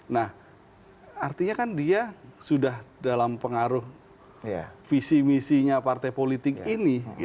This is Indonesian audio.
nah artinya kan dia sudah dalam pengaruh visi misinya partai politik ini